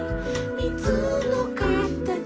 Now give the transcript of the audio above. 「みずのかたち」